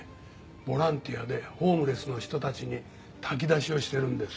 ボランティアでホームレスの人たちに炊き出しをしてるんです。